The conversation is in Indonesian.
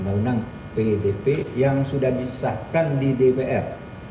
undang undang pdp yang sudah disahkan di dpr